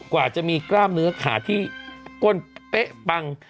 กว่าจะมีกล้ามเนื้อขาที่ก้นเป๊ะปัง